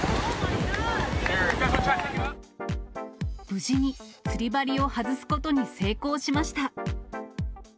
無事に、釣り針を外すことに成功しました。